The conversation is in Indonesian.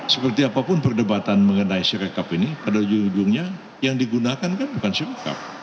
seperti apapun perdebatan mengenai sirekap ini pada ujung ujungnya yang digunakan kan bukan sim cap